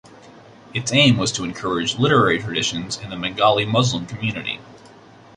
Its aim was to encourage literary traditions in the Bengali Muslim community.